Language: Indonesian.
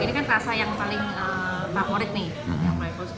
ini kan rasa yang paling favorit nih